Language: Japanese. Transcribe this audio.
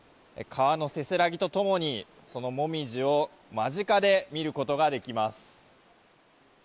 川のせせらぎと共にそのモミジを間近で見ることができます。